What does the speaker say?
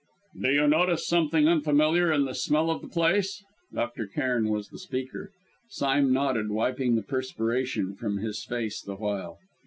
"Do you notice something unfamiliar in the smell of the place?" Dr. Cairn was the speaker. Sime nodded, wiping the perspiration from his face the while.